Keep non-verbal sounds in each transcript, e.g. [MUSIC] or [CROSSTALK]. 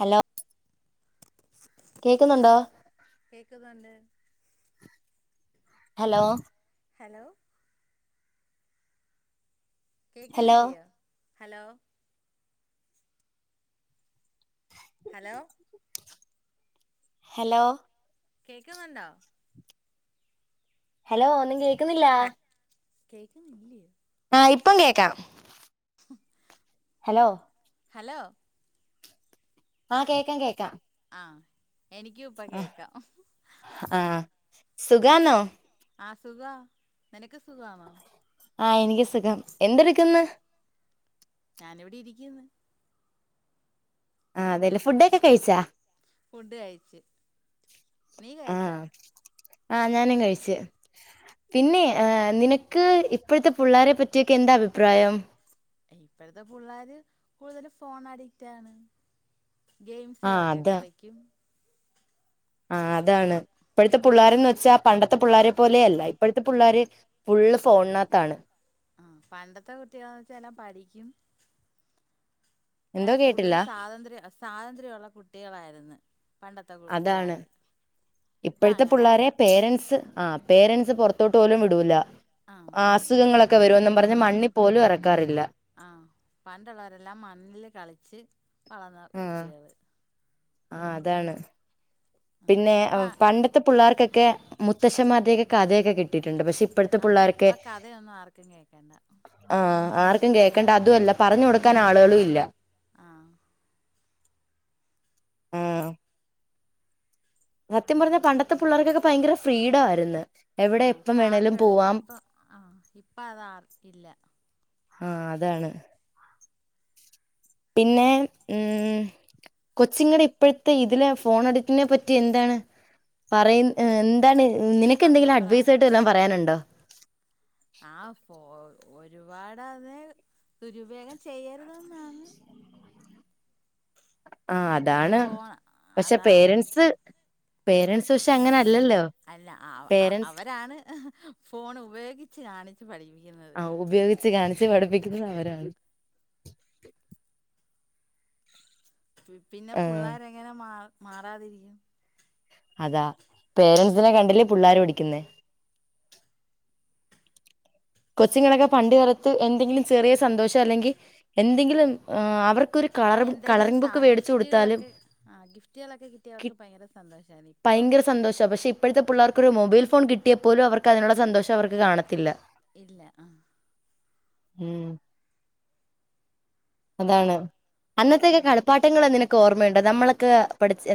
Hello കേക്കുന്നുണ്ടോ കേക്ക്ന്ണ്ട് hello hello hello കേക്കിന്നില്ലിയോ ഹലോ ഹലോ ഹലോ കേക്ക്ന്ണ്ടാ ഹലോ ഒന്നുംകേക് ക്ക്ന്നില്ലാ കേക് നിലെ ആഹ്ആ ഇപ്പം കേക്കാം ഹ് ഹലോ ഹലോ? ആഹ്ആ കേക്കാം കേക്കാം. ആഹ്ആ ആഹ് എനിക്കുഇപ്പകേക്കാം. ആഹ് സുഖാന്നോ? ആ സുഖ നിനക്ക് സുഖണോ? ആ എനിക്ക് സുഖം എന്തെട്ക്ക്ന്ന്? ഞാനി വിടെ ഇരിക്കിന്ന് ആ അതെല്ലേ ഫുഡൊക്കെ കഴിച്ചാ ഫുഡ് കഴിച്ച് നീ കഴിച്ചോ ആ ഞാനും കഴിച്ച്. പിന്നെ ഏ നിനക്ക് ഇപ്പഴത്തെ പിള്ളാരെ പറ്റിയൊക്കെ എന്താ അഭിപ്രായം ഇപ്പഴത്തെ പിള്ളോര് കൂടുതല് ഫോൺ അഡിക്റ്റ് ആണ് ആഹ് ഗെയിംസ്കളൊക്ക കളിക്കും ആ അതാണ്. ഇപ്പഴത്തെ പിള്ളോരന്ന് വെച്ചാ പണ്ടത്തെ പിള്ളോരെ പോലെയെ അല്ല. ഇപ്പോഴത്തെ പിള്ളോര് ഫുള്ള് ഫോണിനകത്താണ് ആ പണ്ടത്തെ കുട്ടികളെച്ചാല്ലാം പഠിക്കും എന്തോ അങ്ങനെ കൂടുതൽ കേട്ടില്ല സാതന്ത്ര്യ സാതന്ത്ര്യഉള്ള കുട്ടികളായിര് എന്ന് പണ്ടത്തെ പുപുള്ളാര് ഇപ്പഴത്തെ പുള്ളേരെ പേരൻറ്സ് ആ... പേരൻറ്സ് പുറത്തോട്ട് പോലും വിടൂല്ല ആഹ് ആ അസുഖങ്ങളൊക്.... ഒക്കെ വരൂന്നും പറഞ്ഞ് മണ്ണി പോലും ഇറക്കാറില്ല ആഹ് പണ്ടോള്ളോരെല്ലാം മണ്ണില് കളിച്ച് വളർന്ന കുട്ടികള് ആ അതാണ് ആ പിന്നെ ഇപ്പ അ പണ്ടത്തെ പിള്ളേർക്കൊക്കെ മുത്തശ്ശൻമാർ.. തേക് കഥയൊക്കെക്കിട്ടീട്ടുണ്ട് പക്ഷെ ഇ... ഇപ്പോഴത്തെ ആ പുള്ളേർക് ഇപ്പ കഥയൊന്നും ആർക്കും കേക്കണ്ട ആ ആർക്കും ഇന്ന കേക്കണ്ട അതുംഅല്ല പറഞ്ഞു കൊടുക്കാൻ ആളുകളും ഇല്ല ആ ആ സത്യം പറഞ്ഞാ പണ്ടത്തെ പിള്ളേർക്കൊക്കെ ഭയങ്കര ഫ്രീഡം ആര്ന്ന് ആ സാതന്ത്ര ഉണ്ടായി ഇപ്പൊ ആ ഇപ്പ അത് ആർക്കുഇല്ല ആ അതാണ് പിന്നെ ഉം കൊച്ചിങ്ങുടെ ഇപ്പോഴത്തെ ഇതിലെ ഫോൺ അഡിറ്റിനെ പറ്റി എന്താണ് പറയ് എന്താണ് നിനക്കെന്തെങ്കിലും അഭിപ്രായം അഡ്വൈസായിട്ട് വല്ലോം പറയാനുണ്ടോ ആ ഫോ ഒരുപാടത് ദുരുപയോഗം ചെയ്യരുത്ന്നാണ് ആ അത്. താണ് ഫോൺ പക്ഷെ അതാ പേരൻ്റസ് പേരൻ്റസ് ക്ഷെ അങ്ങനെ അല്ലല്ലോ അല്ല പേരൻ്റസ് അവരാണ് ഫോൺ ഉപയോഗിച്ച് കാണിച്ചു പഠിപ്പി. ആ ഉപയോഗിച്ച് കാണിച്ച് പഠിപ്പിക്കുന്നത് അവര [UNINTELLIGIBLE] പിന്നെ ആ പുള്ളാര് എങ്ങനെ മാ... മാറാതിരിക്കും അതാ പേരൻസിനെ കണ്ടില്ലേ പി ള്ളേര് പടിക്കുന്നേ കൊച്ചിങ്ങളൊക്കെ പണ്ടുകാലത്ത് എന്തെങ്കിലും ചെറിയ സന്തോഷം അല്ലെങ്കിൽ എന്തെങ്കിലും അവർക്ക് കള ആ കളറി എന്തെങ്കിലും സാ ബുക്ക് മേടിച്ച കൊടുത്താലും ഗിഫ്റ്റുകളൊക്കെ ആ ഗിഫ്റ്റുകളൊക്കെ കിട്ടിയ അവർക്ക് ഭയങ്കര സന്തോഷായിരുന്നു ഇപ്പം ഭയങ്കര സന്തോഷ പക്ഷെ ഇപ്പോഴത്തെ പിള്ളേർക്ക് മൊബൈൽ ഫോൺ കിട്ടി കിട്ടിയപ്പോലും അവർക്ക് അതിനുള്ള സന്തോഷം അവർക്ക് കാണത്തില്ല ഇല്ല അ ഉം അതാണ് അന്നത്തൊക്കെ ഉം കളിപ്പാട്ടങ്ങള് നിനക്ക് ഓർമ്മയുണ്ടോ നമ്മള്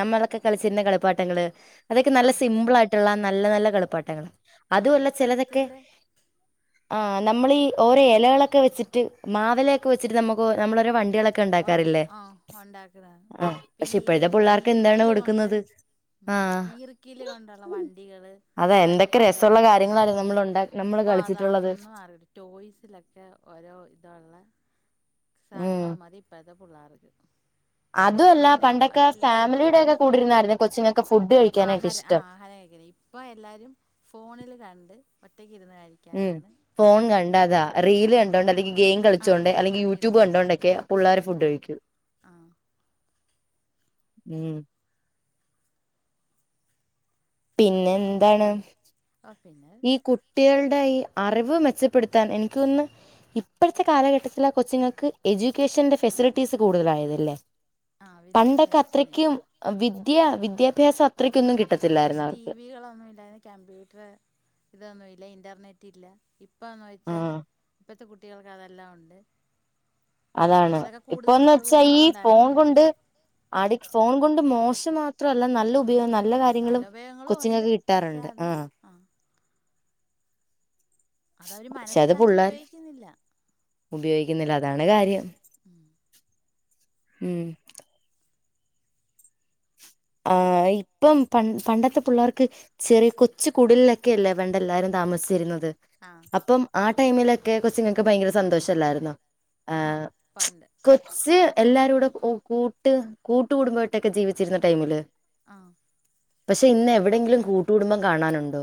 നമ്മളൊക്കെ കളിച്ചിരുന്ന കളിപ്പാട്ടങ്ങൾ അതൊക്കെ ആ നല്ല പ സിമ്പിള് ആയിട്ടുള്ള നല്ല നല്ല കളിപ്പ പാട്ടങ്ങൾ ആ അതൊല്ല ചെലദെക്കെ ഇപ്പഴത്തില് ആ നമ്മളീ ഓരോ എലകളൊക്കെ വെച്ചിട്ട് മാതലയൊക്കെ വെച്ചിട്ട് നമുക് പ്പൊ നമ്മളൊരു വണ്ട ഓരോ ആ ണ്ടാക്കുന്നാണ് ആഹ്. പക്ഷെ പിന്നെ ഈ ഇപ്പോഴത്തെ എന്താ പിള്ളേർക്ക് എന്താണ് ഈർക്കില് കൊണ്ട് കൊടുക്കുന്നത്? ഉ ആഹ്. ഈർക്കില് കൊണ്ടുള്ള വണ്ടികള് അതെ അതൊക്കെ എന്തൊക്കെ പണ്ട് രസമുള്ള കാലത്ത് ഉണ്ടും കാര്യങ്ങളായിരുന്നു ആഹ നമ്മൾ ഉണ്ടാ നമ്മള് ഇപ്പൊ കളിച്ചിട്ടുള്ളത്. അതാന്ന മാറട്ട ടോയ്സിലൊക്കെ ഓരോ ഇതുള്ള സാനങ്ങള് മതി പുള്ളാർക്ക് അതും അല്ല പണ്ടൊക്കെ ഫാമിലിയുടെ കൂടിര്ന്നായിരുന്നു കൊച്ചിങ്ങെ ആഹാരം ആ ആഹാരം കഴിക്കല് ഇപ്പൊ എല്ലാരും ഫോണില് കണ്ട് ഒറ്റക്ക് ഇരുന്ന് ഉം കഴിക്കാനാണ് ഫോൺ ഇഷ്ടം കണ്ടതാ റീല് കണ്ടോണ്ട് അല്ലെങ്കി ഗെയിം ആ കളിച്ചുകൊണ്ട് അല്ലെങ്കി യൂട്യൂബ് റീൽസ് കണ്ടോണ്ടൊക്കെയാ പുള്ളാര് ഫുഡ് കഴിക്കൂ ആ ഉം പിന്നെ എന്താണ് പി ഓ പിന്നെ ഈ കുട്ടികൾ ഇപ്പൊ ഈ അറിവ് മെച്ചപ്പെടുത്താൻ എനിക്ക് തോന്നുന്നു ഇപ്പഴത്തെ കാലഘട്ടത്തിലെ കൊച്ചുങ്ങൾക്ക് എഡ്യൂക്കേഷന്റെ ഫെസിലിറ്റീസ് കൂടുതലായതല്ലേ ആ പണ്ടൊക്കെ വിദ്യാഭ്യാസത്തിന് അത്രയ്ക്കും ഇപ്പം വിദ്യ വിദ്യഭ്യാസം അത്രക്കൊന്നും കിട്ടി പക്ഷെ ടിവികളൊന്നും ഇല്ലായിരു കമ്പ്യൂട്ടർ ഇതൊന്നും ഇല്ല ഇന്റർനെറ്റ് ഇല്ല ഇപ്പന്ന് ആ വെച്ചാ ഇപ്പത്തെ കുട്ടി കുട്ടിയള്ക്ക് അതെല്ലാം ഒണ്ട് അതാണ് ഇപ്പൊന്ന് വെച്ചാ ഈ സൗകര്യങ്ങൾ ഫോൺ ഉണ്ടാകുന്നില്ലേ കൊണ്ട് അടി ഫോണു കൊണ്ട് മോശം മാത്ര അല്ല നല്ല [UNINTELLIGIBLE] നല്ല കാര്യങ്ങളും ഉപയോഗങ്ങളും ഉണ്ട് കൊച്ചിങ്ങള്ക്ക് പക്ഷെ കിട്ടാറുണ്ട് അത് ആ അതവര് മനസ്സിലാക്കി ഉപയോയ്ക്കിന്നില്ല ഉപയോയ്ക്കിന്നില്ലാ അതാണ് കാര്യം ഉം ആ ഇപ്പം പണ് പണ്ടത്തെ പിള്ളാർക്ക് ചെറിയ കൊച്ചു കുടില് ല്ലൊക്കെല്ലേ പണ്ട് എല്ലാരും താമസിച്ചിരുന്ന ത് ആ അപ്പം ആ ടൈമിലൊക്കെ കൊച്ച്ങ്ങൾക്ക് ഭയങ്കര സന്തോഷല്ലായിരുന്നോ ആ ആഹ് പണ്ട് കൊച്ച് എല്ലാരൂടെ ഓ കൂട്ട് കൂട്ടുകുടുംബായിട്ടൊക്കെ ജീവിച്ചിരുന്ന ടൈമില് ആ പക്ഷെ ഇന്ന് ഇപ്പൊ എവിടേങ്കിലും കൂട്ടുകുടുംബം കാണാനുണ്ടോ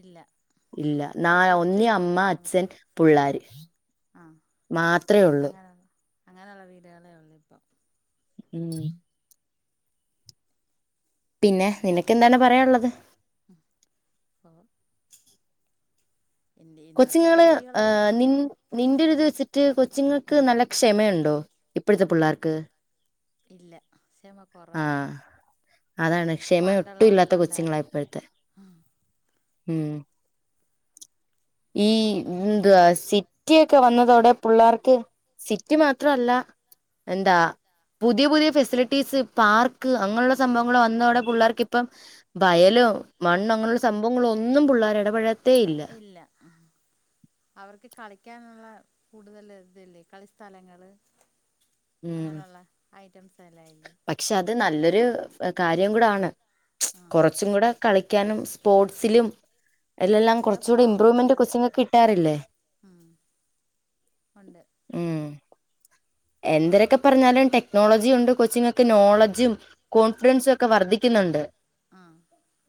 ഇല്ല ഇല്ല ന ഇപ്പൊ കൊച്ചു ഒന്നി അമ്മ ഫാമി അച്ഛൻ പുള്ളാര് ആഹ് മാത്രേയൊള്ളൂ അങ്ങനെ അങ്ങനെയുള്ള വീടുകളേ ഉള്ളൂ ഇപ്പം. ഉം പിന്നെ നിനക്ക് എന്താണ് പറയാനുള്ളത്? ഇപ്പൊ ഇ ഇന്നത്തെ കൊച്ചിങ്ങള് രീതികളെല്ലാം ഏഹ് നിന്റെ ഒര് ഇത് വെച്ചിട്ട് മറ്റ് കൊച്ചിങ്ങൾക്ക് നല്ല ക്ഷമയുണ്ടോ? ഇപ്പഴ്ത്തെ പിള്ളേർക്ക് ഇല്ല ക്ഷമ കുറവാണ്. ആഹ് അതാണ് ക്ഷമ ഒട്ടും പണ്ടുള്ളവർക്ക് ഇല്ലാത്ത കൊച്ചുങ്ങളാ ഉണ്ടായിരുന്നു ഇപ്പഴ്ത്തെ ഉം ഈ എന്തുവാ സിറ്റിയൊക്കെ വന്നതോടെ പുള്ളേർക്ക് സിറ്റി മാത്രല്ല എന്താ പുതിയ പുതിയ ഫെസിലിറ്റീസ് പാർക്ക് അങ്ങനെയുള്ള സംഭവങ്ങൾ വന്നതോടെ പുള്ളേർക്ക് ഇപ്പം വയലോ ക മണ്ണോ അങ്ങനുള്ള സംഭ ങ്ങളൊന്നും പിള്ളേർ എടപഴ ഇല്ല. അവർക്ക് കളിക്കാനുള്ള കൂടുതൽ ഇതില്ലേ കളിസ്ഥലങ്ങള് ഉം അങ്ങനെയുള്ള ഐറ്റംസ് എല്ലാം ഇല്ലേ പക്ഷെ അത് നല്ലൊരു കാര്യം കൂടാണ് ആഹ് കുറച്ചും കൂടെ കളിക്കാനും സ്പോർട്സിലും എല്ലെല്ലാം ഒക്കെപ്പോ കുറച്ചുകൂടി ഇമ്പ്രൂവ്മെന്റ് അവര് കൊച്ചിങ്ങക്ക് കിട്ടാറില്ലേ ഉം ഉണ്ട് ഉം എന്തെരക്കെ പറഞ്ഞാലും ടെക്നോളജി ഉണ്ട് കൊച്ചിങ്ങക്ക് നോളജും കോൺഫിഡൻസും ഒക്കെ വർദ്ധിക്കുന്നുണ്ട് ആ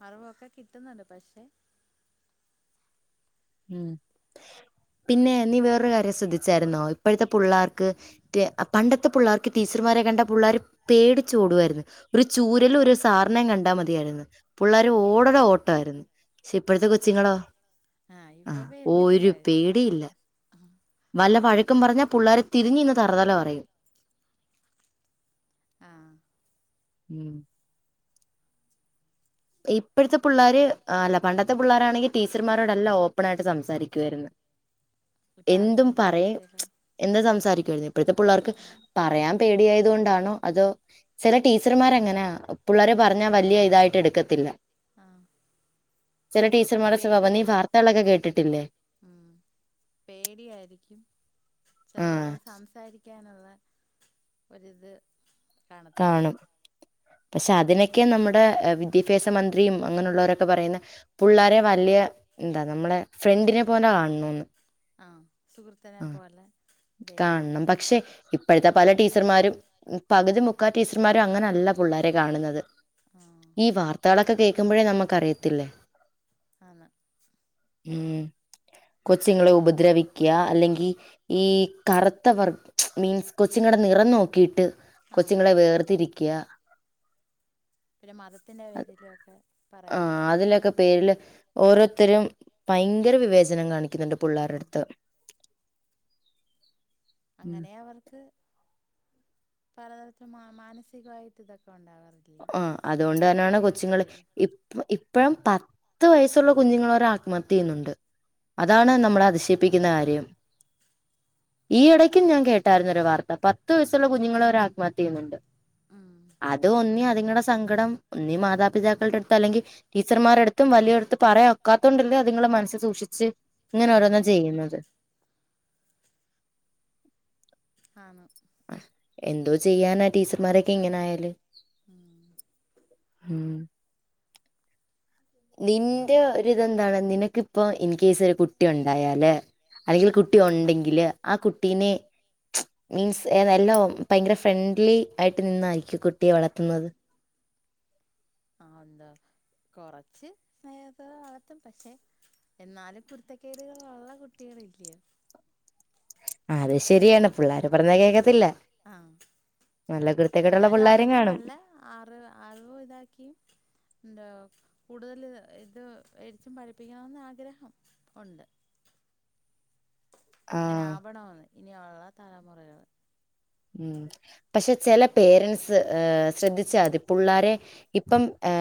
അറിവൊക്കെ കിട്ടുന്നുണ്ട് പക്ഷെ ഉം പിന്നെ നീ വേറൊരു കാര്യം ശ്രദ്ധിച്ചായിരുന്നോ ഇപ്പഴത്തെ പുള്ളേർക്ക് പണ്ടത്തെ പുള്ളേർക്ക് ടീച്ചർമാരെ കണ്ട പുള്ളേർ പേടിച്ചോടു വാരുന്നു ഒരു ചൂരല് ഒരു സാറിനേയും കണ്ടാൽ മതിയായിരുന്നു പിള്ളേർ ഓടടെ ഇപ്പ ഓട്ട ആരുന്നു പക്ഷെ ഇപ്പോഴത്തെ ഇപ്പൊ കൊച്ചിങ്ങളോ പേടി ആഹ് ആ ഇപ്പൊ പേടിക്കത്തില്ല ഒരു അവര് പേടിയില്ല വല്ല വഴക്കും പറഞ്ഞാൽ പുള്ളാര് തിരിഞ്ഞ് നിന്ന് തറതല പറയും ആഹ് ഉം ഇപ്പഴത്തെ പുള്ളേര് ഏ അല്ല പണ്ടത്തെ പുള്ളാരാണെങ്കിൽ ടീച്ചർമാരോട് എല്ലാം ഓപ്പണായി സംസാരിക്കുമായിരുന്നു ഇപ്പ ആരും എന്തും പറയും സംസാരിക്കത്തില്ല എല്ലാം സംസാരിക്കുമായിരുന്നു ഇപ്പഴത്തെ പുള്ളാർക്ക് പറയാൻ പേടിയായതുകൊണ്ടാണോ അതോ ചില ടീച്ചർമാരങ്ങനാ പുള്ളാരെ പറഞ്ഞാ വല്യ ഇതായിട്ടെടുക്കത്തില്ല ത്തില്ല ആഹ് ടീച്ചർമാരുടെ സ്വഭാവം നീ പേടിയായിരിക്കും വാർത്തകളൊക്കെ കേട്ടിട്ടില്ലേ ഉം പേടിയായിരിക്കും ചില ആ പുള്ളർക്ക് സംസാരിക്ക ക്കാനുള്ള ഒരിത് കാണത്തില്ലല്ലേ കാണും പക്ഷെ അതിനൊക്കെ നമ്മുടെ വിദ്യാഭ്യാസ മന്ത്രിയും അങ്ങനെയുള്ളവരൊക്കെ പറയുന്നെ പുള്ളാരെ വല്യ എന്താ നമ്മുടെ ഫ്രണ്ടിനെപ്പോലെ കാണണോന്ന് ആ സുഹൃത്തിനെ പോലെ ദൈവം കാണണം പക്ഷെ ഇപ്പഴത്തെ പല ടീച്ചർമാരും പകുതി മുക്കാൽ ടീച്ചർമാരും അങ്ങനല്ല പുള്ളാരെ കാണുന്നത് ആഹ് ഈ വാർത്തകളൊ ഒക്കെ കേൾക്കുമ്പഴേ നമുക്കറിയത്തില്ലേ ആന്ന് ഉം കൊച്ചിങ്ങളെ ഉപദ്രവിക്ക്യാ അല്ലെങ്കി ഈ കറുത്തവർഗ മീൻസ് കൊച്ചി ങ്ങടെ നിറം നോക്കിയിട്ട് ആഹ് കൊച്ചുങ്ങളെ വേർതിരിക്ക്യാ പിന്നെ മതത്തിന്റെ പേരിലു ഒക്കെ ആ പറയുന്നത് അതിലൊക്കെ പേരില് ഓരോരുത്തരും ഭയങ്കര വിവേചനം കാണിക്കുന്നുണ്ട് പുള്ളാരുടെ ആഹ് അട്ത്ത് അങ്ങനെ അവർക്ക് പലതരത്തിൽ മാനസികമായിട്ട ആ അതുകൊണ്ട് തന്നാണ് കൊച്ചുങ്ങള് കുട്ടികൾക്കിടയിൽ ഇപ്പ ഇപ്പഴം പത്ത് വയസ്സുള്ള കുഞ്ഞുങ്ങള് വരെ ആത്മഹത്യ ചെയ്യുന്നുണ്ട് ഉം അതാണ് നമ്മള അതിശയിപ്പിക്കുന്ന കാര്യം ഈ ഇടയ്ക്കും ഞാൻ കേട്ടാർന്നു ഒര് വാർത്ത പത്തു വയസുള്ള കുഞ്ഞുങ്ങൾ വരെ ആത്മഹത്യ ചെയുന്നുണ്ട് ഉം അതൊന്ന് ഇനി അതിങ്ങളുടെ സങ്കടം ഒന്നീ മാതാപിതാക്കളുടെ അടുത്ത അല്ലെങ്ക ടീച്ചർമാരുടെ അടുത്തും വലിയവരുടെ അടുത്തും പറയാൻ ഒക്കാത്തത് കൊണ്ടല്ലേ അതിങ്ങളുടെ മനസ്സിൽ സൂക്ഷിച്ച്. ഇങ്ങനെ ആഹ് ഓരോന്ന് ചെയ്യുന്നത്. [INAUDIBLE] ആ എന്തോ ചെയ്യാനാ ടീച്ചർമാരൊക്കെ ഇങ്ങനെ ആയാല്. ഉം ഉം നിന്റെ ഒരിതെന്താണ് നിനക്ക്. ഇപ്പൊ ഇൻ കേസ് ഒരു കുട്ടി ഉണ്ടായാല് അല്ലെങ്കിൽ ആഹ് കുട്ടി ഉണ്ടെങ്കില് ആ കു കുട്ടിന് മീൻസ് ഏതോല്ലാം ഭയങ്കര ഫ്രണ്ട്ലി ആയിട്ട് നിന്നായിരിക്കും കുട്ടിയെ വളർത്തുന്നത്. ആ എന്തോ കൊറച്ച് സ്നേഹത്തിൽ വളർത്തും പക്ഷേ എന്നാലും കുരുത്തക്കേടുകൾ ഉള്ള കുട്ടികൾ ഇല്ലേ. അത് ശരിയാണ് പിള്ളേര് പറഞ്ഞ ആഹ് കേക്കത്തില്ല ആഹ് നല്ല കുരുത്തക്കേടുള്ള എന്നാലും പിള്ളേരും അവരെ കാണും നല്ല അറി അറിവ് ഇതാക്കിയും എന്ത്. കൂടുതൽ ഇത് [UNINTELLIGIBLE] പഠിപ്പിക്കണമെന്ന് ആഗ്രഹം ഉണ്ട്. അങ്ങനെ ആഹ് ആവണമെന്ന്. ഇനിയുള്ള തലമുറകൾ ഉം പക്ഷെ ചില പേരൻസ് ഏ ശ്രദ്ധിച്ചാതി പുള്ളാരെ ഇപ്പം ഏ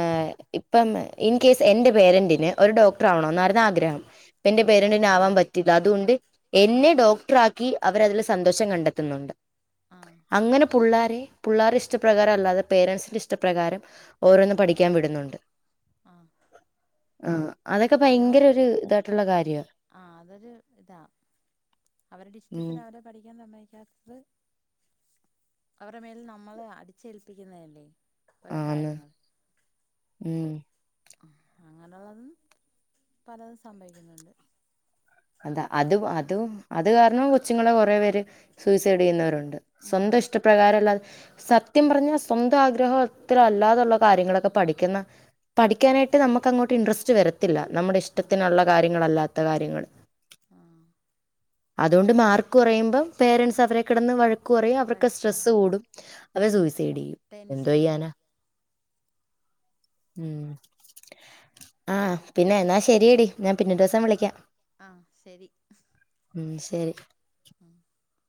ഇപ്പം ഇൻകേസ് എന്റെ പേരൻറിന് ഒരു ഡോക്ടർ ആവണോ എന്നായിരുന്നു ആഗ്രഹം ഇപ്പ ആ എന്റെ പേരന്റിന് ആവാൻ പറ്റില്ല അതുകൊണ്ട് എന്നെ ഡോക്ടർ ആക്കി അവര് അതിൽ സന്തോഷം കണ്ടെത്തുന്നുണ്ട്. ആ അങ്ങനെ പുള്ളാരെ പുള്ളാരുടെ ഇഷ്ടപ്രകാരം അല്ലാതെ പേരന്സിന്റെ ഇഷ്ടപ്രകാരം ഓരോന്നും പഠിക്കാവിടുന്നുണ്ട്. ആ ആഹ് അതൊക്കെ അതിനോട് ഭയങ്കര ഒരു ഇതായിട്ടുള്ള കാര്യ ആ അതൊരു ഇതാ അവരുടെ ഉം ഇഷ്ടത്തിൽ അവരെ പഠിക്കാൻ സമ്മ [UNINTELLIGIBLE] അവരെ മേൽ നമ്മള് അടിച്ചേൽപ്പിക്കുന്നതല്ലേ. ഓരോ ആണ് കാര്യങ്ങൾ ഉം അങ്ങനെയുള്ളതും പലതും സംഭവിക്കുന്നുണ്ട്. എന്താ അത് അതും അത് കാരണം കൊച്ചുങ്ങളെ കുറെ പേരെ സൂയിസൈഡ് ചെയ്യുന്നവരുണ്ട്, ഉം സ്വന്തം ഇഷ്ടപ്രകാരം അല്ലാതെ സത്യം പറഞ്ഞാൽ സ്വന്തം ആഗ്രഹത്തെ അല്ലാതുള്ള കാര്യങ്ങളൊക്കെ പഠിക്കുന്നു പഠിക്കാനായിട്ട് നമുക്ക് അങ്ങോട്ട് ഇന്റെരെസ്റ്റ്‌ വരത്തില്ല. നമ്മുടെ ആഹ് ഇഷ്ടത്തിനുള്ള കാര്യങ്ങളല്ലാ ത്ത കാര്യങ്ങൾ അതുകൊണ്ട് ആഹ് മാർക്ക് കുറയുമ്പോ പേരൻസ് അവരെ കിടന്ന് വഴ കുറെ അവർക്ക് വഴക്ക് സ്ട്രെസ്സ് പറയും നമ്മുടെ കൂടും കൂടും. വഴക്ക് പറയും. അവരെ ആഹ് സൂയിസൈഡ് ചെയ്യും എന്തോ ടെൻഷൻ ആഹ് ചെയ്യാനാ. ഉം ആഹ് പിന്നെ എന്നാ ശരിയടി ഞാൻ പിന്നെ ഒരു ദിവസം വിളിക്കാം. ആഹ് ശരി ഉം ശരി ഉം [INAUDIBLE]